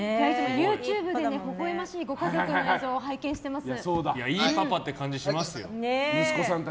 ＹｏｕＴｕｂｅでほほ笑ましいご家族の映像をいいパパって感じしますよ。